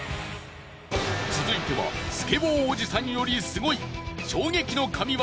続いてはスケボーおじさんよりすごい。